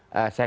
sep di cina